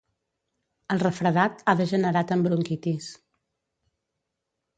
El refredat ha degenerat en bronquitis.